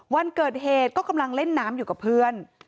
วันเกิดเหตุก็กำลังเล่นน้ำอยู่กับเพื่อน